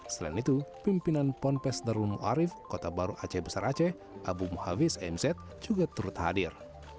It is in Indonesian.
selain itu pimpinan ponpes darun muarif kota baru aceh besar aceh abu muhaviz mz juga turut hadir